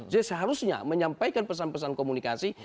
jadi seharusnya menyampaikan pesan pesan komunikasi